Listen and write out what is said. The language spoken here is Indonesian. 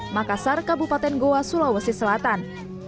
makassar kabupaten goa sulawesi selatan